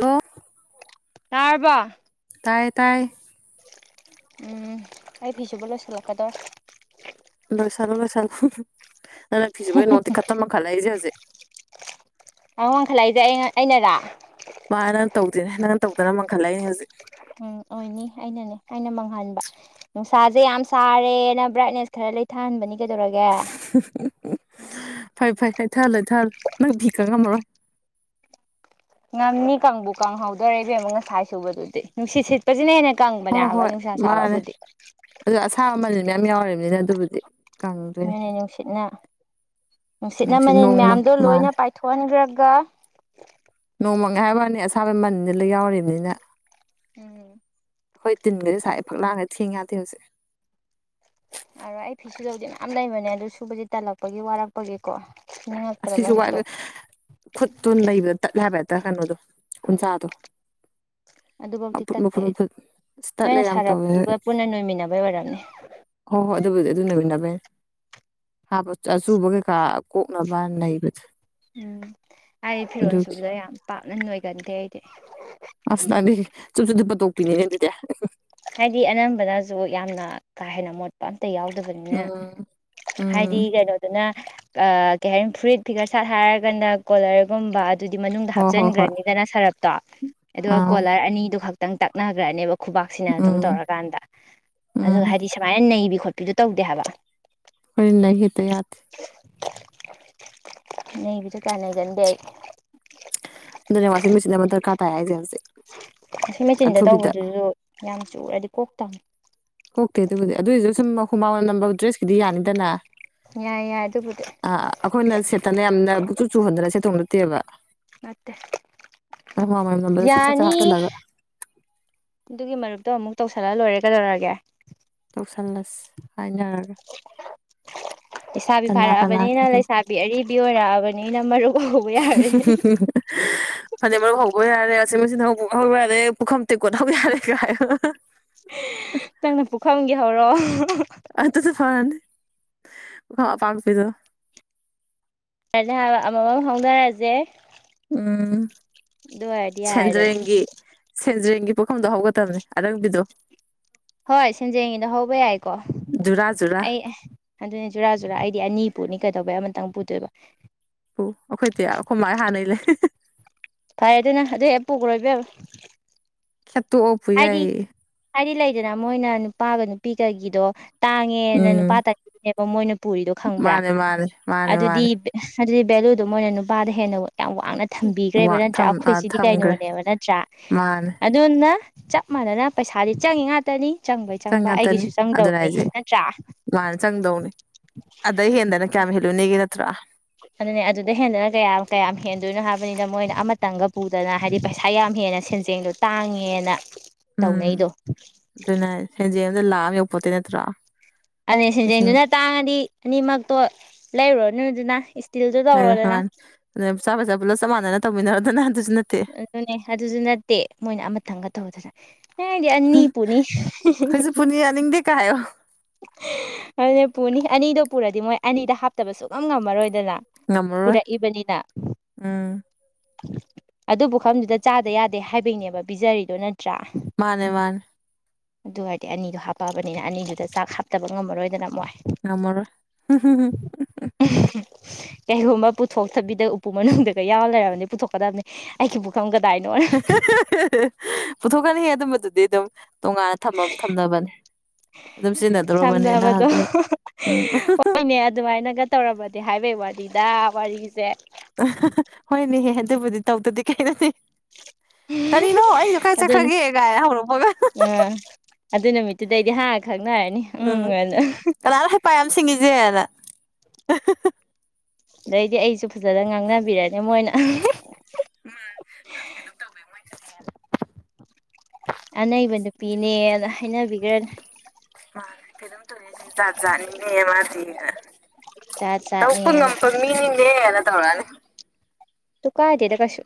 Hello ꯇꯥꯔꯕ ꯇꯥꯏꯔꯦ ꯇꯥꯏ ꯎꯝ ꯑꯩ ꯐꯤ ꯁꯨꯕ ꯂꯣꯏꯁꯤꯜꯂꯛꯀꯗꯣꯔꯦ ꯂꯣꯏꯁꯜꯂꯨ ꯂꯣꯏꯁꯜꯂꯨ ꯅꯪ ꯐꯤꯁꯨꯕꯒꯤ ꯅꯣꯡ ꯇꯤꯡꯈꯠꯇ ꯃꯪꯈꯜꯂꯛꯏꯁꯦ ꯍꯧꯖꯤꯛ ꯑ ꯋꯥꯡꯈꯠꯂꯛꯏꯁꯦ ꯑꯩ ꯑꯩꯅꯔꯥ ꯃꯥ ꯅꯪ ꯇꯧꯗꯦꯅꯦ ꯅꯪꯅ ꯇꯧꯗꯅ ꯃꯥꯡꯈꯠꯂꯛꯏꯅꯦ ꯍꯧꯖꯤꯛ ꯎꯝ ꯑꯣꯏꯅꯤ ꯑꯩꯅꯅꯦ ꯑꯩꯅ ꯃꯥꯡꯍꯟꯕ ꯅꯨꯡꯁꯥꯁꯦ ꯌꯥꯝ ꯁꯥꯔꯦꯅ ꯕ꯭ꯔꯥꯏꯠꯅꯦꯁ ꯈꯔ ꯂꯩꯊꯍꯟꯕꯅꯤ ꯀꯩꯗꯧꯔꯒꯦ ꯐꯩ ꯐꯩ ꯂꯩꯊꯥꯜꯂꯣ ꯂꯩꯊꯥꯜꯂꯣ ꯅꯪ ꯐꯤ ꯀꯪ ꯉꯝꯃꯔꯣꯏ ꯉꯝꯅꯤ ꯀꯥꯡꯕꯨ ꯀꯪꯍꯧꯗꯣꯔꯦ ꯏꯕꯦꯝꯃꯥ ꯉꯁꯥꯏ ꯁꯨꯕꯗꯨꯗꯤ ꯅꯨꯡꯁꯤꯠ ꯁꯤꯠꯄꯁꯤꯅ ꯍꯦꯟꯅ ꯀꯪꯕꯅꯦ ꯍꯥꯏꯕꯥ ꯅꯨꯡꯁꯥ ꯁꯥꯕꯕꯨꯗꯤ ꯑꯗꯣ ꯑꯁꯥꯕ ꯃꯅꯤꯜ ꯃꯌꯥꯝ ꯌꯥꯎꯔꯤꯕꯅꯤꯅ ꯑꯗꯨꯕꯨꯗꯤ ꯀꯪꯗꯣꯏꯅꯤ ꯅꯅꯦ ꯅꯨꯡꯁꯤꯠꯅ ꯅꯨꯡꯁꯤꯠꯅ ꯅꯨꯡꯁꯤꯠ ꯃꯅꯤꯜ ꯅꯣꯡꯃꯪ ꯃꯌꯥꯝꯗꯣ ꯂꯣꯏꯅ ꯃꯥꯅꯦ ꯄꯥꯏꯊꯣꯛꯍꯟꯈ꯭ꯔꯒ ꯅꯣꯡ ꯃꯪꯉꯦ ꯍꯥꯏꯕ ꯋꯥꯅꯤ ꯑꯁꯥꯕꯩ ꯃꯅꯤꯜ ꯂꯣꯏ ꯌꯥꯎꯔꯤꯕꯅꯤꯅ ꯎꯝ ꯈꯣꯏ ꯇꯤꯟꯒꯖꯦ ꯁꯥꯥꯏ ꯐꯛꯂꯥꯡꯒ ꯊꯦꯡ ꯌꯥꯗꯦ ꯍꯧꯖꯤꯛ ꯑꯣ ꯑꯩ ꯐꯤꯁꯨꯗꯧꯗꯤ ꯃꯌꯥꯝ ꯂꯩꯕꯅꯦ ꯑꯗꯨ ꯁꯨꯕꯁꯦ ꯇꯜꯂꯛꯄꯒꯤ ꯋꯥꯔꯛꯄꯒꯤꯀꯣ ꯁꯨꯅꯤꯡꯉꯛꯇ꯭ꯔꯕ ꯑꯁꯤꯁꯨ ꯍꯧꯖꯤꯛꯇꯣ ꯋꯥꯏꯕ ꯈꯨꯠꯇꯨ ꯅꯩꯕꯗ ꯇꯠꯂꯦ ꯍꯥꯏꯕ ꯍꯦꯛꯇ ꯀꯩꯅꯣꯗꯣ ꯎꯟꯁꯥꯗꯣ ꯑꯗꯨꯐꯧꯗꯤ ꯇꯠꯇꯦ ꯑꯩ ꯃꯐꯨꯠ ꯑꯁ ꯇꯠꯂꯦ ꯅꯣꯏꯅ ꯌꯥꯝ ꯇꯧꯋꯦ ꯁꯥꯔꯞꯛꯇꯨꯒ ꯄꯨꯟꯅ ꯅꯣꯏꯃꯤꯟꯅꯕꯩ ꯑꯣꯏꯔꯝꯅꯤ ꯍꯣ ꯍꯣꯏ ꯑꯗꯨꯕꯨꯗꯤ ꯑꯗꯨ ꯅꯣꯏꯃꯤꯟꯅꯕꯩꯅꯦ ꯍꯥ ꯑꯆꯨꯕ ꯀꯩꯀꯥ ꯀꯣꯛꯅꯕ ꯅꯩꯕꯗꯨ ꯎꯝ ꯑꯩ ꯐꯤꯔꯣꯟ ꯁꯨꯕꯗ ꯌꯥꯝ ꯄꯥꯛꯅ ꯅꯣꯏꯒꯟꯗꯦ ꯑꯩꯗꯤ ꯑꯁ ꯅꯪꯗꯤ ꯆꯨꯞ ꯆꯨꯞ ꯂꯨꯞꯄ ꯇꯣꯛꯄꯤꯅꯤꯅꯦ ꯑꯗꯨꯗꯤ ꯍꯥꯏꯗꯤ ꯑꯅꯝꯕꯅꯁꯨ ꯌꯥꯝꯅ ꯀꯥ ꯍꯦꯟꯅ ꯃꯣꯠ ꯑꯝꯇ ꯌꯥꯎꯗꯕꯅꯤꯅ ꯎꯝ ꯍꯥꯏꯗꯤ ꯎꯝ ꯀꯩꯅꯣ ꯑꯗꯨꯅ ꯀꯩ ꯍꯥꯏꯅꯤ ꯐꯨꯔꯤꯠ ꯐꯤꯒꯔ ꯁꯥꯠ ꯍꯥꯏꯔꯒꯥꯅ ꯀꯣꯂꯔꯒꯨꯝꯕ ꯑꯗꯨꯗꯤ ꯃꯅꯨꯡꯗ ꯍꯣꯏ ꯍꯣꯏ ꯍꯣꯏ ꯍꯥꯞꯆꯤꯟꯈ꯭ꯔꯅꯤꯗꯅ ꯁꯔꯞꯇꯣ ꯑꯗꯨꯒ ꯑꯥꯎ ꯀꯣꯂꯔ ꯑꯅꯤꯗꯨ ꯈꯛ ꯈꯤꯇꯪ ꯇꯛꯅꯈ꯭ꯔꯅꯦꯕ ꯈꯨꯕꯥꯛꯁꯤꯅ ꯑꯗꯨꯝ ꯎꯝ ꯇꯧꯔꯀꯥꯟꯗ ꯑꯗꯨꯒ ꯎꯝ ꯍꯥꯏꯗꯤ ꯁꯨꯃꯥꯏꯅ ꯅꯩꯕꯤ ꯈꯣꯠꯄꯤꯗꯣ ꯇꯧꯗꯦ ꯍꯥꯏꯕ ꯈꯣꯌꯗꯤ ꯅꯩ ꯍꯦꯛꯇꯥ ꯌꯥꯗꯦ ꯅꯕꯤꯁꯨ ꯀꯩꯌꯥ ꯅꯩꯒꯟꯗꯦ ꯑꯩ ꯑꯗꯨꯅꯦ ꯋꯥꯁꯤꯡ ꯃꯆꯟ ꯑꯃ ꯗꯔꯀꯥꯔ ꯇꯥꯏ ꯍꯥꯏꯁꯦ ꯍꯧꯖꯤꯛ ꯋ꯭ꯁꯤꯡ ꯃꯦꯆꯤꯟꯗ ꯑꯊꯨꯕꯤꯗ ꯇꯧꯕꯗꯨꯁꯨ ꯌꯥꯝ ꯆꯨꯔꯗꯤ ꯀꯣꯛꯇꯝꯃꯤ ꯀꯣꯛꯇꯦ ꯑꯗꯨꯕꯨꯗꯤ ꯑꯗꯨꯑꯣꯏꯁꯨ ꯁꯨꯝ ꯍꯨꯃꯥꯡ ꯃꯥꯅꯝ ꯅꯝꯕ ꯗ꯭ꯔꯦꯁꯀꯤꯗꯤ ꯌꯥꯅꯤꯗꯅ ꯌꯥꯏ ꯌꯥ ꯑꯗꯨ ꯑ ꯑꯩꯈꯣꯏꯅ ꯁꯦꯠꯇꯅ ꯌꯥꯝꯅ ꯄꯨꯛꯆꯨ ꯆꯨꯍꯟꯗꯅ ꯁꯦꯠꯇꯧꯕꯥ ꯅꯠꯇꯦꯕ ꯅꯠꯇꯦ [unintelligible] ꯌꯥꯅꯤ ꯍꯥꯞꯆꯜꯂꯒꯥ ꯑꯗꯨꯒꯤ ꯃꯔꯨꯞꯇꯣ ꯑꯃꯨꯛ ꯇꯧꯁꯜꯂ ꯂꯣꯏꯔꯦ ꯀꯩꯗꯧꯔꯒꯦ ꯇꯧꯁꯜꯂꯁ ꯍꯥꯏꯅꯔꯔꯣꯏ ꯂꯩꯁꯥꯕꯤ ꯀꯅꯥ ꯐꯥꯔꯛꯑꯕꯅꯤꯅ ꯀꯩꯗꯧ ꯂꯩꯁꯥꯕꯤ ꯑꯔꯤꯕꯤ ꯑꯣꯏꯔꯛꯑꯕꯅꯤꯅ ꯃꯔꯨꯞ ꯍꯧꯕ ꯌꯥꯔꯦ [unintelligible] ꯐꯅꯦꯛ ꯃꯔꯨꯞ ꯍꯧ__ ꯍꯧꯕ ꯌꯥꯔꯦ ꯋꯥꯁꯤꯡ ꯃꯦꯁꯤꯟ ꯍꯧꯕꯨ ꯍꯧꯕ ꯌꯥꯔꯦ ꯄꯨꯈꯝ ꯇꯦꯡ ꯀꯣꯠꯍꯧꯕ ꯌꯥꯔꯦ ꯀꯥꯏꯌꯣ [unintelligible] [unintelligible] ꯅꯪꯅ ꯄꯨꯈꯝꯒꯤ ꯍꯧꯔꯛꯑꯣ [unintelligible] ꯑꯇꯨꯅ ꯐꯔꯅꯤ ꯄꯨꯈꯝ ꯑꯄꯥꯛꯄꯤꯗꯨꯅ [unintelligible] ꯍꯥꯏꯕ ꯑꯃꯃꯝ ꯍꯧꯅꯔꯖꯦ ꯎꯝ ꯑꯣꯏꯔꯗꯤ ꯌꯥꯔꯦꯗꯅ ꯁꯦꯟꯗ꯭ꯔꯦꯡꯒꯤ ꯁꯦꯟꯖ꯭ꯔꯦꯡꯒꯤ ꯄꯨꯈꯝꯗꯣ ꯍꯧꯒꯗꯕꯅꯦ ꯑꯔꯪꯕꯤꯗꯣ ꯍꯣꯏ ꯁꯦꯟꯖꯦꯡꯒꯤꯗꯣ ꯍꯧꯕ ꯌꯥꯏꯀꯣ ꯖꯨꯔꯥ ꯖꯨꯔꯥ ꯑꯩ ꯑꯗꯨꯅꯦ ꯖꯨꯔꯥ ꯖꯨꯔꯥ ꯑꯩꯗꯤ ꯑꯅꯤ ꯄꯨꯅꯤ ꯀꯩꯗꯧꯕꯩ ꯑꯃꯇꯪ ꯄꯨꯗꯣꯏꯕ ꯄꯨ ꯑꯩꯈꯣꯏꯇꯤꯌꯥ ꯑꯩꯈꯣꯏ ꯃꯥꯥꯏ ꯍꯥꯟꯅꯩ ꯂꯩ ꯐꯔꯦ ꯑꯗꯨꯅ ꯑꯗꯨ ꯍꯦꯛ ꯄꯨꯒ꯭ꯔꯣ ꯏꯕꯦꯝꯃ ꯇꯣꯛꯑ ꯄꯨ ꯍꯥꯏꯗꯤ ꯌꯥꯏꯌꯦꯌꯦ ꯍꯥꯏꯗꯤ ꯂꯩꯗꯅ ꯃꯣꯏꯅ ꯅꯨꯄꯥꯒ ꯅꯨꯄꯤꯒꯒꯤꯗꯣ ꯇꯥꯡꯉꯦꯅ ꯎꯝ ꯅꯨꯄꯥ ꯇꯪꯒꯤꯅꯦꯕ ꯃꯣꯏꯅ ꯄꯨꯔꯤꯗꯣ ꯈꯪꯕ꯭ꯔꯥ ꯃꯥꯅꯦ ꯃꯥꯅꯦ ꯃꯥꯅꯦ ꯑꯗꯨꯗꯤ ꯃꯥꯅꯦ ꯕꯦ__ ꯑꯗꯨꯗꯤ ꯕꯦꯂꯨꯗꯣ ꯃꯣꯏꯅ ꯅꯨꯄꯥꯗ ꯍꯦꯟꯅ ꯌꯥꯝ ꯋꯥꯡꯅ ꯊꯝꯕꯤꯒ꯭ꯔꯦꯕ ꯋꯥ ꯅꯠꯇ꯭ꯔꯥ ꯊꯝ ꯑ ꯑꯩꯈꯣꯏꯁꯤꯗꯤ ꯊꯝꯒ꯭ꯔꯦ ꯀꯩꯅꯣꯅꯦꯕ ꯅꯠꯇ꯭ꯔꯥ ꯃꯥꯅꯦ ꯑꯗꯨꯗꯨꯅ ꯆꯞ ꯃꯥꯟꯅꯅ ꯄꯩꯁꯥꯗꯤ ꯆꯪꯏꯤ ꯉꯥꯛꯇꯅꯤ ꯆꯪꯕꯩ ꯆꯪ ꯆꯪꯕ ꯑꯩꯒꯤꯁꯨ ꯆꯪꯗꯧꯕꯅꯤ ꯅꯠꯇ꯭ꯔꯥ ꯃꯥꯅꯦ ꯆꯪꯗꯧꯅꯤ ꯑꯗꯩ ꯍꯦꯟꯗꯅ ꯀꯌꯥꯝ ꯍꯦꯜꯂꯨꯅꯤꯒꯦ ꯅꯠꯇ꯭ꯔꯥ ꯑꯗꯨꯅꯦ ꯑꯗꯨꯗ ꯍꯦꯟꯗꯅ ꯀꯌꯥꯝ ꯀꯌꯥꯝ ꯍꯦꯟꯗꯣꯏꯅꯣ ꯍꯥꯏꯕꯅꯤꯗ ꯃꯣꯏꯅ ꯑꯃꯇꯪꯒ ꯄꯨꯗꯅ ꯍꯥꯏꯗꯤ ꯄꯩꯁꯥ ꯌꯥꯝ ꯍꯦꯟꯅ__ ꯆꯦꯡꯗꯣ ꯇꯥꯡꯉꯦꯅ ꯇꯧꯅꯩꯗꯣ [unintelligible] ꯁꯦꯟꯖꯦꯟꯗꯣ ꯂꯥꯛꯑꯝ ꯌꯧꯄꯣꯠꯇꯦ ꯅꯠꯇ꯭ꯔꯥ ꯑꯗꯨꯅꯦ ꯂꯤꯁꯤꯡ ꯁꯦꯟꯖꯦꯡꯗꯨꯅ ꯇꯥꯡꯉꯗꯤ ꯑꯅꯤꯃꯛꯇꯣ ꯂꯩꯔꯨꯔꯅꯨꯗꯅ [unintelligible] ꯑꯗꯨꯅꯦ ꯇꯧꯔꯣꯗꯅ ꯃꯥꯅꯤ ꯑꯗꯨꯅꯦ ꯆꯥꯕꯩ ꯆꯥꯕ ꯄꯨꯂꯞ ꯆꯞ ꯃꯥꯟꯅꯅ ꯇꯧꯃꯤꯟꯅꯔꯣꯗꯅ ꯑꯗꯨꯁꯨ ꯅꯠ__ ꯑꯗꯨꯅꯦ ꯑꯗꯨꯁꯨ ꯅꯠꯇꯦ ꯃꯣꯏꯅ ꯑꯃꯇꯪꯒ ꯇꯧꯗꯅ ꯑꯦꯍ ꯑꯩꯗꯤ ꯑꯅꯤ ꯄꯨꯨꯅꯤ ꯀꯥꯏꯌꯣ ꯑꯗꯨꯅꯦ ꯄꯨꯅꯤ ꯑꯅꯤꯗꯣ ꯄꯨꯔꯗꯤ ꯃꯣꯏ ꯑꯅꯤꯗ ꯍꯥꯞ__ ꯇꯕ ꯁꯨꯨꯉꯝ ꯉꯝꯃꯔꯣꯏꯗꯅ ꯉꯝꯃꯔꯣꯏ ꯄꯨꯔꯛꯏꯕꯅꯤꯅ ꯎꯝ ꯑꯗꯨ ꯄꯨꯈꯝꯗꯨꯗ ꯆꯥꯗ ꯌꯥꯗꯦ ꯍꯥꯏꯕꯩꯅꯦꯕ ꯄꯤꯖꯔꯤꯗꯣ ꯅꯠꯇ꯭ꯔꯥ ꯃꯥꯅꯦ ꯃꯥꯅꯦ ꯑꯗꯨ ꯑꯣꯏꯔꯗꯤ ꯑꯅꯤꯗꯣ ꯍꯥꯞꯄꯛꯑꯕꯅꯤꯅ ꯑꯅꯤꯗꯨꯗ ꯆꯥꯛ ꯍꯥꯞꯇꯕ ꯉꯝꯃꯔꯣꯏꯗꯅ ꯃꯣꯏ ꯉꯝꯃꯔꯣꯏ ꯍꯨꯝ ꯍꯨꯝ ꯍꯨꯝ [unintelligible] ꯀꯩꯒꯨꯝꯕ ꯄꯨꯊꯣꯛꯇꯕꯤꯗ ꯎꯄꯨ ꯃꯅꯨꯡꯗꯒ ꯌꯥꯎꯔ ꯂꯩꯔꯝꯃꯗꯤ ꯄꯨꯊꯣꯛꯀꯗꯕꯅꯤ ꯑꯩꯒꯤ ꯄꯨꯈꯝ ꯀꯗꯥꯏꯅꯣꯅ [unintelligible] ꯄꯨꯊꯣꯛꯀꯅꯤꯍꯦ ꯑꯗꯨꯝꯕꯗꯨꯗꯤ ꯑꯗꯨꯝ ꯇꯣꯉꯥꯟꯅ ꯊꯝꯃꯝ ꯊꯝꯅꯕꯅꯦ ꯑꯗꯨꯝ ꯁꯤꯖꯤꯟꯅ__ ꯊꯝꯅꯕꯗꯣ [unintelligible] ꯍꯣꯏꯅꯦ ꯑꯗꯨꯃꯥꯏꯅꯒ ꯇꯧꯔꯝꯃꯗꯤ ꯍꯥꯏꯕꯩ ꯋꯥꯅꯤꯗꯥ ꯋꯥꯔꯤꯁꯦ [unintelligible] ꯍꯣꯏꯅꯦꯍꯦ ꯑꯗꯨꯕꯨꯗꯤ ꯇꯧꯗꯗꯤ ꯀꯩꯅꯣꯅꯦ ꯀꯔꯤꯅꯣ ꯑꯩꯗꯣ ꯀꯥꯏ ꯑꯗꯨ ꯆꯠꯈ꯭ꯔꯒꯦ ꯒꯥꯏ ꯍꯧꯔꯛꯄꯒ [unintelligible] ꯑꯥ ꯑꯗꯨ ꯅꯨꯃꯤꯠꯇꯨꯗꯩꯗꯤ ꯍꯥ ꯈꯪꯅꯔꯅꯤ ꯎꯝ ꯑ ꯅ ꯀꯅꯥꯅꯣ ꯍꯩꯄꯥ ꯌꯥꯝ ꯁꯤꯡꯉꯤꯖꯦꯅ [unintelligible] ꯑꯗꯩꯗꯤ ꯑꯩꯁꯨ ꯐꯖꯅ ꯉꯥꯡꯅꯕꯤꯔꯅꯤ ꯃꯣꯏꯅ [unintelligible] ꯎꯝ [unintelligible] ꯀꯩꯃꯣꯝ ꯇꯧꯋꯦ [unintelligible] ꯑꯅꯩꯕ ꯅꯨꯄꯤꯅꯦꯅ ꯍꯥꯏꯅꯕꯤꯒ꯭ꯔꯅꯤ ꯃꯥꯅꯦ ꯀꯩꯅꯦꯝ ꯇꯧꯏꯅꯦꯁꯤꯗꯤ ꯖꯥꯠ ꯖꯥꯠ ꯅꯤꯅꯦ ꯃꯥꯗꯤ ꯑꯅ ꯖꯥꯠ ꯇꯧꯄ ꯖꯥꯠꯅꯦꯅ ꯉꯝꯄꯒ ꯃꯤꯅꯤꯅꯦꯅ ꯇꯧꯔꯥꯅꯤ ꯇꯨ ꯀꯥꯏꯗꯦꯗ ꯀꯩꯁꯨ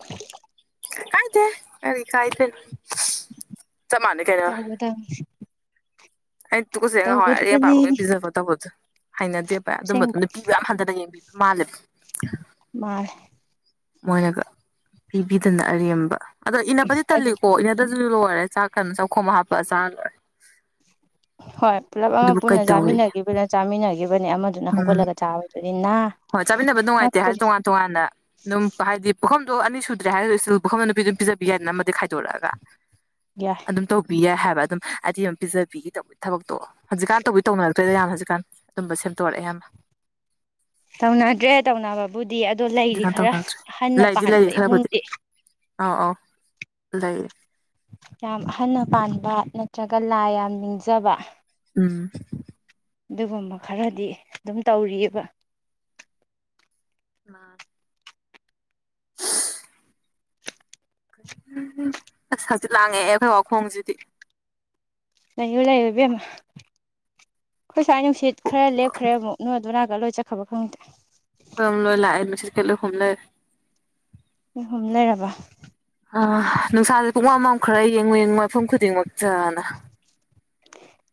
ꯀꯥꯏꯗꯦ ꯑꯔꯤ ꯀꯥꯏꯗꯦ [unintelligible] ꯇꯧꯕꯗꯝ ꯑꯩ ꯇꯨꯀꯆꯩ ꯉꯍꯥꯎꯋꯥꯏ ꯑꯩꯔ ꯇꯧꯒꯗꯕꯅꯤ ꯑꯄꯥꯕꯒꯤ ꯄꯤꯖꯕ ꯇꯧꯕꯗꯨ ꯍꯩꯅꯗꯦꯄꯥ ꯑꯗꯨꯝꯕꯗꯣ ꯅꯨꯄꯤꯕꯨ ꯌꯥꯝ ꯍꯟꯗꯅ ꯌꯦꯡꯕꯤ ꯃꯥꯂꯤꯞ ꯃꯥ ꯃꯣꯏꯅꯒ ꯄꯤꯕꯤꯗꯅ ꯑꯔꯦꯝꯕ ꯑꯗꯣ ꯏꯟꯅꯅꯕꯗꯤ ꯑꯗꯨ ꯇꯜꯂꯤꯀꯣ ꯍꯗꯁꯨ ꯂꯣꯏꯔꯦ ꯆꯥꯛꯀꯩꯟ ꯆꯥꯛꯈꯣꯝ ꯍꯥꯞꯄꯒ ꯆꯥꯔꯦ ꯍꯣꯏ ꯄꯨꯂꯞ ꯑꯃ ꯑꯗꯨꯕꯨ ꯄꯨꯟꯅ ꯀꯩꯗꯧꯔꯤꯒꯦ ꯆꯥꯃꯤꯟꯅꯒꯤꯕꯗ ꯆꯥꯃꯤꯟꯅꯒꯤꯕꯅꯤ ꯑꯃꯗꯨꯅ ꯎꯝ ꯍꯧꯒꯠꯂꯒ ꯆꯥꯕꯗꯨꯅꯤꯅ ꯍꯣꯏ ꯆꯥꯃꯤꯟꯅꯕ ꯅꯨꯡꯉꯥꯏꯇꯦ ꯍꯥꯏ ꯇꯣꯉꯥꯟ ꯇꯣꯉꯥꯟꯅ ꯑꯗꯨꯝ ꯍꯥꯏꯗꯤ ꯄꯨꯈꯐꯝꯗꯣ ꯑꯅꯤ ꯁꯨꯗ꯭ꯔꯦ ꯍꯥꯏꯔꯣ ꯏꯁꯜ ꯄꯨꯈꯐꯝꯗꯣ ꯅꯨꯄꯤ ꯑꯗꯨꯝ ꯄꯤꯖꯕꯤ ꯌꯥꯏꯗꯅ ꯑꯃꯗꯤ ꯈꯥꯏꯗꯣꯔꯛꯑꯒ ꯌꯥꯏ ꯑꯗꯨꯝ ꯇꯧꯕꯤ ꯌꯥꯏ ꯍꯥꯏꯕ ꯑꯗꯨꯝ ꯍꯥꯏꯗꯤ ꯑꯗꯨ ꯄꯤꯖꯕꯤꯈꯤ ꯇꯧꯕ ꯊꯕꯛꯇꯣ ꯍꯧꯖꯤꯛꯀꯥꯟ ꯇꯧꯕꯤ ꯇꯧꯅꯔꯛꯇ꯭ꯔꯦꯗ ꯌꯥꯝꯅ ꯍꯧꯖꯤꯛꯀꯥꯟ ꯑꯗꯨꯨꯝꯕ ꯁꯦꯝꯇꯣꯔꯦ ꯌꯥꯝꯅ ꯇꯧꯅꯗ꯭ꯔꯦ ꯇꯧꯅꯕꯕꯨꯗꯤ ꯑꯗꯣ ꯂꯩꯔꯤ ꯍꯧꯖꯤꯛꯀꯥꯟ ꯈꯔ ꯇꯧꯅꯔꯛꯇ꯭ꯔꯦ ꯑꯍꯟꯅ ꯂꯩꯗꯤ ꯄꯥꯟꯕ ꯂꯩꯌꯦ ꯈꯔꯕꯨꯗꯤ ꯏꯃꯨꯡꯗꯤ ꯑꯧ ꯑꯧ ꯂꯩ ꯌꯥꯝ ꯑꯍꯟꯅ ꯄꯥꯟꯕ ꯅꯠꯇ꯭ꯔꯒ ꯂꯥꯏ ꯌꯥꯝ ꯅꯤꯡꯖꯕ ꯎꯝ ꯑꯗꯨꯒꯨꯝꯕ ꯈꯔꯗꯤ ꯑꯗꯨꯝ ꯇꯧꯔꯤꯌꯦꯕ [inaudible] ꯑꯁ ꯍꯛꯆꯤꯛ ꯂꯥꯡꯉꯦꯍꯦ ꯑꯩꯈꯣꯏ ꯋꯥꯈꯣꯡꯁꯤꯗꯤ ꯂꯩꯌꯨ ꯂꯩꯌꯨ ꯏꯕꯦꯝꯃ ꯈꯣꯏꯁꯋꯥꯏ ꯅꯨꯡꯁꯤꯠ ꯈꯔ ꯂꯦꯞꯈꯔꯦ ꯃꯨꯛ ꯅꯣꯏ ꯑꯗꯨ ꯅꯥꯀꯟꯗꯥ ꯂꯣꯏ ꯆꯠꯈꯔꯕ ꯈꯪꯗꯦ ꯈꯣꯏꯔꯣꯝ ꯂꯣꯏ ꯂꯥꯛꯑꯦ ꯅꯨꯡꯁꯤꯠ ꯀꯟ ꯍꯨꯝꯂꯩꯔꯦ ꯍꯨꯝ ꯂꯩꯔꯕ ꯑ ꯅꯨꯡꯁꯥꯁꯦ ꯄꯨꯡꯃꯝ ꯃꯝꯈ꯭ꯔꯦ ꯌꯦꯡꯉꯨ ꯌꯦꯡꯉꯨꯕ ꯃꯐꯝ ꯈꯨꯗꯤꯡꯃꯛꯇꯥꯅ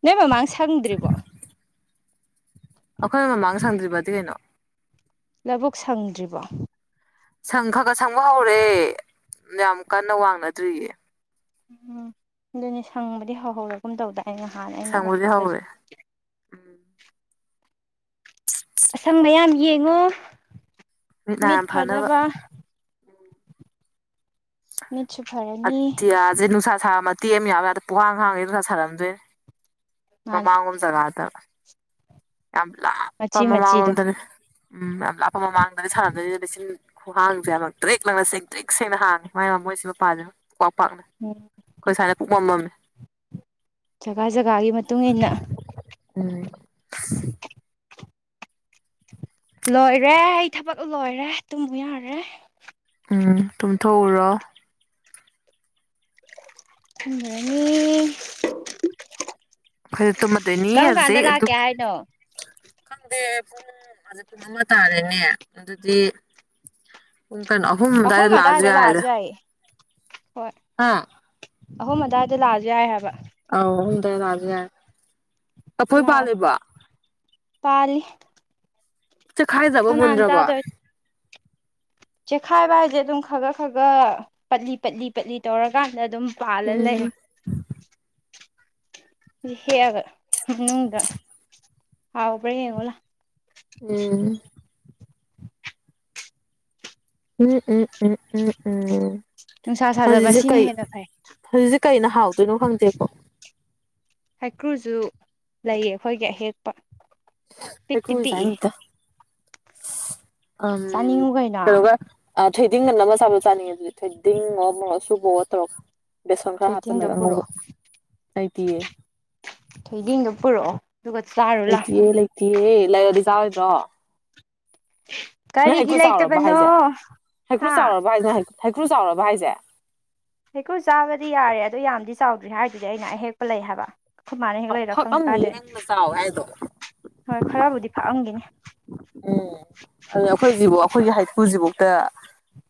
ꯅꯣꯏ ꯃꯃꯥꯡ ꯁꯪꯗ꯭ꯔꯤꯕꯣ ꯑꯩꯈꯣꯏ ꯃꯃꯥꯡ ꯁꯪꯗ꯭ꯔꯤꯕꯗꯤ ꯀꯩꯅꯣ ꯂꯕꯨꯨꯛ ꯁꯪꯗ꯭ꯔꯤꯕꯣ ꯁꯪ ꯈꯔ ꯈꯔ ꯁꯪꯕ ꯍꯧꯔꯛꯑꯦ ꯌꯥꯝ ꯀꯟꯅ ꯋꯥꯡꯅꯗ꯭ꯔꯤꯌꯦ ꯎꯝ ꯑꯗꯨꯅꯦ ꯁꯪꯕꯗꯤ ꯍꯧꯍꯧꯔꯒꯨꯝ ꯇꯧꯗꯥꯏꯅꯦ ꯍꯥꯟꯅ ꯑꯩꯅ ꯁꯪꯕꯗꯤ ꯂꯥꯛꯄꯗꯁꯨ ꯍꯧꯔꯦ ꯎꯝ ꯑꯁꯪꯕ ꯌꯥꯝ ꯌꯦꯡꯉꯣ ꯃꯤꯠ ꯐꯅꯕ ꯃꯤꯠꯁꯨ ꯐꯩꯌꯦ ꯑꯇꯤꯌꯥꯁꯦ ꯅꯨꯡꯁꯥ ꯁꯥꯕ ꯃꯇꯦꯛ ꯑꯃ ꯌꯥꯎꯌꯦ ꯑꯗ ꯄꯨꯡꯍꯥꯡ ꯍꯥꯡꯢꯁꯦ ꯅꯨꯡꯁꯥ ꯁꯥꯔꯝꯗꯣꯏꯅꯦ ꯃꯥꯜꯂꯦ ꯃꯃꯥꯡꯂꯣꯝ ꯖꯒꯥꯗ ꯌꯥꯝ ꯂꯥꯞꯄ ꯃꯆꯤ ꯃꯆꯤꯗꯣ ꯃꯃꯥꯡꯂꯣꯝꯗꯅꯦ ꯎꯝ ꯌꯥꯝ ꯂꯥꯞꯄ ꯃꯃꯥꯡꯗꯅꯦ ꯁꯥꯔꯝꯗꯣꯏꯁꯦ ꯂꯤꯁꯤꯜ ꯈꯨꯍꯥꯡꯁꯦ ꯌꯥꯝ ꯂꯪꯇꯔꯤꯛ ꯂꯪꯅ ꯁꯦꯡꯇꯔꯤꯛ ꯁꯦꯡꯅ ꯍꯥꯡꯉꯤ ꯃꯥꯏ ꯃ ꯃꯣꯏꯁꯤ ꯃꯄꯥꯁꯤ [unintelligible] ꯄꯨꯡꯄꯥꯛ ꯄꯥꯛꯅ ꯎꯝ ꯑꯩꯈꯣꯏ ꯁꯥꯏꯅꯥ ꯄꯨꯡꯃꯝ ꯃꯝꯃꯤ ꯖꯒꯥ ꯖꯒꯥꯒꯤ ꯃꯇꯨꯡ ꯏꯟꯅ ꯎꯝ ꯂꯣꯏꯔꯦ ꯑꯩ ꯊꯕꯛ ꯂꯣꯏꯔꯦ ꯇꯨꯝꯃꯨ ꯌꯥꯔꯦ ꯎꯝ ꯇꯨꯝꯊꯣꯛꯎꯔꯣ ꯇꯨꯝꯃꯨꯔꯥꯅꯤ ꯑꯩꯈꯣꯏꯁꯨ ꯇꯨꯝꯃꯗꯣꯏꯅꯤ ꯍꯧꯖꯤꯛ ꯑꯗꯨ ꯂꯥꯛꯀꯦ ꯍꯥꯏꯅꯣ ꯈꯪꯗꯦ ꯄꯨꯡ ꯍꯧꯖꯤꯛ ꯄꯨꯡ ꯑꯃ ꯇꯥꯔꯦꯅꯦ ꯑꯗꯨꯗꯤ ꯄꯨꯡ ꯀꯩꯅꯣ ꯑꯍꯨꯝ ꯑꯗꯥꯏꯗ ꯂꯥꯛꯑꯁꯨ ꯌꯥꯏꯔꯦꯗꯥ ꯍꯣꯏ ꯍꯥꯥ ꯑꯍꯨꯝ ꯑꯗꯨꯋꯥꯏꯗ ꯂꯥꯛꯑꯁꯨ ꯌꯥꯏ ꯍꯥꯏꯕ ꯑꯧ ꯑꯍꯨꯝ ꯑꯗꯥꯏꯗ ꯂꯛꯑꯥꯁꯨ ꯌꯥꯏ ꯂꯥꯛꯑꯣ ꯇꯔꯤ ꯆꯦꯛꯈꯥꯏꯗꯔ꯭ꯕꯣ ꯃꯨꯟꯗꯔ꯭ꯕꯣ ꯇꯥꯗꯣꯏ ꯆꯦꯛꯈꯥꯏꯕ ꯍꯥꯏꯁꯦ ꯑꯗꯨꯝ ꯈꯒ ꯈꯒ ꯄꯠꯂꯤ ꯄꯠꯂꯤ ꯄꯠꯂꯤ ꯇꯧꯔꯀꯥꯟꯗ ꯑꯗꯨꯝ ꯄꯥꯜꯂ ꯂꯩ ꯎꯝ ꯍꯦꯛꯑꯒ ꯃꯅꯨꯡꯗ ꯍꯥꯎꯕ꯭ꯔꯥ ꯌꯦꯡꯉꯣꯂꯧ ꯎꯝ ꯎꯝ ꯎꯝ ꯎꯝ ꯎꯝ ꯎꯝꯝ ꯅꯨꯡꯁꯥ ꯁꯥꯖꯕ ꯁꯤꯅ ꯍꯦꯟꯅ ꯐꯩ ꯍꯧꯖꯤꯛꯁꯦ ꯀꯩꯅ ꯍꯥꯎꯗꯣꯏꯅꯣ ꯈꯪꯗꯦ ꯍꯩꯀꯔꯨꯁꯨ ꯂꯩꯌꯦ ꯑꯩꯈꯣꯏꯒꯤ ꯑꯍꯦꯛꯄ ꯄꯤꯛꯇꯤ ꯍꯩꯀꯔꯨ ꯗꯤ ꯄꯤꯛꯏ ꯆꯥꯅꯤꯡꯗꯦꯗ ꯑꯥ ꯆꯥꯅꯤꯡꯉꯨ ꯀꯩꯅꯣ ꯀꯩꯅꯣꯒ ꯑ ꯊꯣꯏꯗꯤꯡꯒ ꯅꯝꯃꯒꯥ ꯆꯥꯕꯗꯣ ꯆꯥꯅꯤꯡꯉꯦ ꯑꯗꯨꯗꯤ ꯊꯣꯏꯗꯤꯡꯉꯣ ꯃꯣꯔꯣꯛ ꯑꯁꯨꯕꯌꯣ ꯇꯧꯔꯒ ꯕꯦꯁꯣꯟ ꯈꯔ ꯊꯣꯏꯗꯤꯡꯗꯣ ꯍꯥꯞꯆꯜꯂꯒ ꯉꯧꯕ ꯄꯨꯔꯛꯑꯣ ꯑꯩꯗꯤ ꯊꯣꯏꯗꯤꯡꯗꯣ ꯄꯨꯔꯛꯑꯣ ꯑꯗꯨꯒ ꯆꯥꯔ ꯂꯩꯇꯤꯌꯦ ꯂꯩꯇꯤꯌꯦ ꯂꯩꯔꯗꯤ ꯆꯥꯔꯣꯏꯗ꯭ꯔꯣ ꯅꯪ ꯀꯔꯤꯒꯤ ꯍꯩꯀ꯭ꯔꯨ ꯆꯥꯎꯔꯕ ꯂꯩꯇꯕꯅꯣ ꯍꯥꯏꯁꯦ ꯍꯥ [unintelligible] ꯍꯩꯀ꯭ꯔꯨ ꯆꯥꯎꯔꯕ ꯍꯥꯏꯁꯦ ꯍꯩꯀꯨ ꯆꯥꯕꯗꯤ ꯌꯥꯔꯦ ꯑꯗꯨ ꯌꯥꯝꯗꯤ ꯆꯥꯎꯗ꯭ꯔꯤ ꯍꯥꯏꯗꯨꯗꯤ ꯑꯩꯅ ꯑꯍꯦꯛꯄ ꯂꯩ ꯍꯥꯏꯕ ꯈꯣꯏ ꯃꯥꯅ ꯍꯦꯛꯂꯛꯏꯔ ꯑꯐꯛ ꯈꯪꯗꯦ ꯑꯃꯅꯤ ꯀꯥꯏꯗꯅꯦ ꯅꯪꯅ ꯆꯥꯎ ꯍꯥꯏꯗꯣ ꯍꯣꯏ ꯈꯔꯕꯨꯗꯤ ꯐꯥꯛꯑꯝꯈꯤꯅꯤ [inaudible] ꯑꯗꯨꯅꯦ ꯑꯩꯈꯣꯏꯁꯤꯐꯥꯎ ꯑꯩꯈꯣꯏꯒꯤ ꯍꯩꯀꯨ ꯁꯤꯐꯥꯎꯗ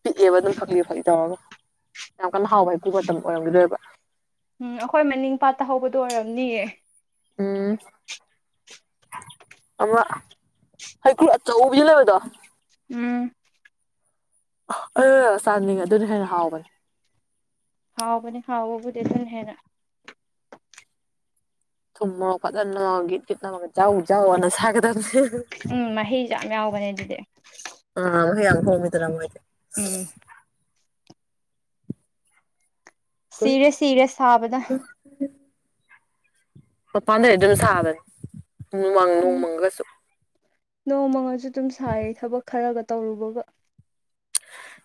ꯄꯤꯛꯑꯦꯕ ꯑꯗꯨꯝ ꯐꯛꯂꯤ ꯐꯛꯂꯤ ꯇꯧꯔꯒ꯫ ꯌꯥꯝ ꯀꯟꯅ ꯍꯥꯎꯕ ꯏꯀꯨꯕ ꯃꯇꯝ ꯑꯣꯏꯔꯝꯈꯤꯔꯣꯏꯕ꯫ ꯎꯝ ꯑꯩꯈꯣꯏ ꯃꯅꯤꯡ ꯄꯥꯠꯇ ꯍꯧꯕꯗꯣ ꯑꯣꯏꯔꯝꯅꯤꯌꯦ꯫ ꯎꯝ꯫ ꯑꯃ ꯍꯩꯀꯨ ꯑꯆꯧꯕꯤ ꯂꯩꯕꯗꯣ꯫ ꯎꯝ꯫ [unintelligible] ꯆꯥꯅꯤꯡꯉꯦ ꯑꯗꯨꯅ ꯍꯦꯟꯅ ꯍꯥꯎꯕꯅꯦ꯫ ꯍꯥꯎꯕꯅꯦ ꯍꯥꯎꯕꯕꯨꯗꯤ ꯑꯗꯨꯅ ꯍꯦꯟꯅ꯫ ꯊꯨꯝ ꯃꯣꯔꯣꯛ ꯐꯖꯅ [unintelligible] ꯒꯤꯠ ꯒꯤꯠ ꯅꯝꯃꯒ ꯖꯎ ꯖꯎ ꯑꯅ ꯁꯥꯏꯒꯗꯕꯅꯦ꯫ ꯎꯝ ꯃꯍꯤꯁꯨ ꯌꯥꯝ ꯌꯥꯎꯕꯅꯦ ꯑꯗꯨꯗꯤ꯫ ꯑ ꯃꯍꯤ ꯌꯥꯝ ꯍꯣꯝꯃꯤꯗꯅ ꯃꯣꯏꯏꯗꯤ꯫ ꯎꯝ꯫ ꯁꯤꯔꯦ ꯁꯤꯔꯦ ꯁꯥꯕꯅ꯫ ꯃꯄꯥꯟꯗꯩ ꯑꯗꯨꯝ ꯁꯥꯕꯅꯤ ꯃꯪ ꯅꯣꯡꯃꯪꯒꯁꯨ꯫ ꯅꯣꯡꯃꯪꯉꯁꯨ ꯑꯗꯨꯝ ꯁꯥꯏꯌꯦ ꯊꯕꯛ ꯈꯔꯒ ꯇꯧꯔꯨꯕꯒ꯫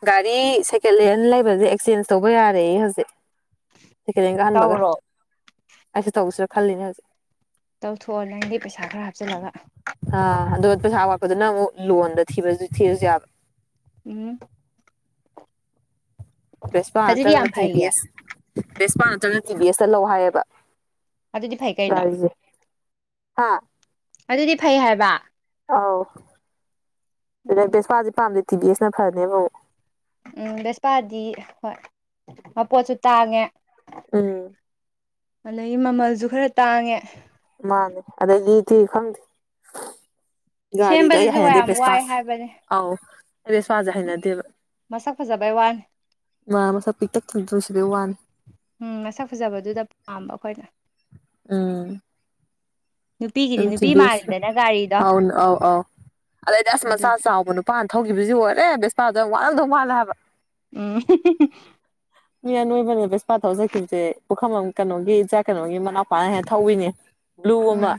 ꯒꯥꯔꯤ ꯁꯦꯀꯦꯟ ꯍꯦꯟ ꯂꯩꯕꯁꯦ ꯑꯦꯛꯆꯦꯟꯖ ꯇꯧꯕ ꯌꯥꯔꯦꯌꯦ ꯍꯧꯖꯤꯛ꯫ ꯁꯦꯀꯦꯟ ꯍꯦꯟꯒ ꯑꯍꯟꯕꯒ ꯇꯧꯔꯣ ꯑꯩꯁꯨ ꯇꯧꯁꯤꯔ ꯈꯜꯂꯤꯅꯦ ꯍꯧꯖꯤꯛ꯫ ꯇꯧꯊꯣꯛꯑꯣ ꯅꯪꯒꯤ ꯄꯩꯁꯥ ꯈꯔ ꯍꯥꯞꯆꯤꯜꯂꯒ꯫ ꯑ ꯑꯗꯨꯒ ꯄꯩꯁꯥ ꯋꯥꯠꯄꯗꯨꯅ ꯑꯃꯨꯛ ꯂꯣꯟꯗ ꯊꯤꯕꯁꯨ ꯊꯤꯔꯁꯨ ꯌꯥꯕ꯫ ꯎꯝ꯫ ꯕꯦꯁꯄꯥꯥ ꯑꯗꯨꯗꯤ ꯅꯠꯇ꯭ꯔꯒꯅ ꯌꯥꯝ ꯇꯤ ꯕꯤ ꯐꯩꯌꯦ ꯑꯦꯁ ꯕꯦꯁꯄꯥ ꯅꯠꯇ꯭ꯔꯒꯅ ꯇꯤ ꯕꯤ ꯑꯦꯁꯇ ꯂꯧ ꯍꯥꯏꯌꯦꯕ꯫ ꯑꯗꯨꯗꯤ ꯐꯩ ꯀꯩꯅꯣ ꯒꯥꯔꯤꯖꯦ ꯍꯥ ꯑꯗꯨꯗꯤ ꯐꯩ ꯍꯥꯏꯕ꯫ ꯑꯧ ꯑꯗꯩ ꯎꯝ ꯕꯦꯁꯄꯥꯗꯤ ꯄꯥꯝꯗꯦ ꯇꯤ ꯕꯤ ꯑꯦꯁꯅ ꯐꯅꯤꯕ ꯎꯝ ꯕꯦꯁꯄꯥꯗꯤ ꯍꯣꯏ ꯃꯄꯣꯠꯁꯨ ꯇꯥꯡꯉꯦ꯫ ꯎꯝ꯫ ꯑꯗꯒꯤ ꯃꯃꯜꯁꯨ ꯈꯔ ꯇꯥꯡꯉꯦ꯫ ꯃꯥꯅꯦ ꯑꯗꯒꯤꯇꯤ ꯈꯪꯗꯦ꯫ ꯒꯥꯔꯤꯗꯣ ꯑꯩ ꯁꯦꯝꯕꯗꯁꯨ ꯍꯩꯅꯗꯦ ꯌꯥꯝ ꯋꯥꯏ ꯕꯦꯁꯄꯥꯁꯦ ꯍꯥꯏꯕꯅꯦ ꯑꯧ ꯑꯩ ꯕꯦꯁꯄꯥꯁꯦ ꯍꯩꯅꯗꯦꯕ꯫ ꯃꯁꯛ ꯐꯖꯕꯩ ꯋꯥꯅꯦ꯫ ꯃꯥ ꯃꯁꯥ ꯄꯤꯛꯇꯛ ꯇꯗꯣꯏꯁꯤꯕ ꯋꯥꯅꯦ꯫ ꯎꯝ ꯃꯁꯛ ꯐꯖꯕꯗꯨꯗ ꯄꯥꯝꯕ ꯑꯩꯈꯣꯏꯅ꯫ ꯎꯝ꯫ ꯅꯨꯄꯤꯒꯤꯗꯤ ꯑꯗꯨꯝ ꯅꯨꯄꯤ ꯊꯤꯕꯤꯁ ꯃꯥꯜꯂꯤꯗꯅ ꯒꯥꯔꯤꯗꯣ ꯑꯧꯅ ꯑꯧ ꯑꯧ ꯑꯗꯨꯗꯩ ꯃꯁꯥꯥ ꯑꯗꯨꯒꯤ ꯆꯥꯎꯕ ꯅꯨ ꯄꯥꯅ ꯊꯧꯈꯤꯕꯁꯤ ꯑꯣꯏꯔꯦ ꯕꯤꯁꯄꯥꯗꯣ ꯌꯥꯝ ꯋꯥꯔꯝꯗꯧ ꯃꯥꯜꯂꯦ ꯍꯥꯏꯕ꯫ ꯎꯝ [unintelligible] ꯃꯤ ꯑꯅꯣꯏꯕꯅ ꯕꯦꯁꯄꯥ ꯊꯧꯆꯠꯈꯤꯕꯁꯦ ꯄꯨꯈꯝꯕꯝ ꯀꯩꯅꯣꯒꯤ ꯏꯆꯥ ꯀꯩꯅꯣꯒꯤ ꯃꯅꯥꯎꯄꯥꯅ ꯍꯦꯛ ꯊꯧꯏꯅꯦ꯫ ꯕ꯭ꯂꯨ ꯑꯃ ꯎꯝ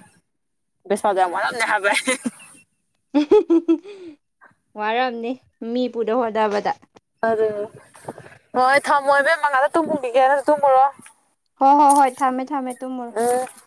ꯕꯦꯁꯄꯥꯗꯣ ꯌꯥꯝ ꯋꯥꯔꯝꯌꯤ ꯍꯥꯏꯕ꯫ [unintelligible] ꯋꯥꯔꯝꯅꯤ ꯃꯤ ꯄꯨꯅꯕ ꯍꯣꯠꯅꯕꯗ꯫ ꯑꯗꯨ ꯍꯣꯏ ꯊꯝꯃꯣ ꯏꯕꯦꯝꯃ ꯉꯥꯛꯇ ꯇꯨꯝꯃꯨꯒꯤꯒꯦ ꯅꯪꯁꯨ ꯇꯨꯝꯃꯨꯔꯣ꯫ ꯍꯣ ꯍꯣ ꯍꯣꯏ ꯊꯃꯦ ꯊꯃꯦ ꯇꯨꯃꯨꯔꯨ꯫ [unintelligible]